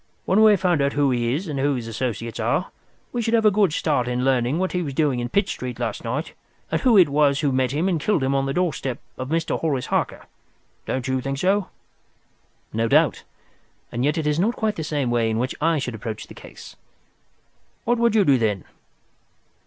When we have found who he is and who his associates are, we should have a good start in learning what he was doing in Pitt Street last night, and who it was who met him and killed him on the doorstep of Mr. Horace Harker. Don't you think so?" "No doubt; and yet it is not quite the way in which I should approach the case." "What would you do then?"